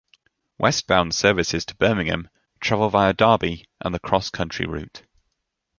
West bound services to Birmingham travel via Derby and the Cross Country Route.